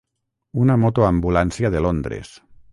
Una moto-ambulància de Londres.